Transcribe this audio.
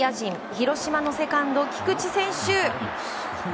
広島のセカンド、菊池選手！